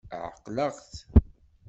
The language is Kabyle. Ɛeqleɣ-t.